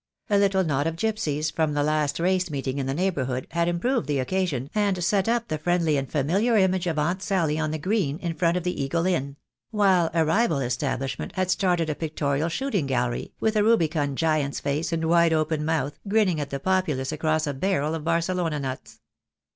A little knot of gipsies from the last race meeting in the neigh bourhood had improved the occasion and set up the friendly and familiar image of Aunt Sally on the green in front of the Eagle Inn; while a rival establishment had started a pictorial shooting gallery, with a rubicund giant's face and wide open mouth, grinning at the populace across a barrel of Barcelona nuts.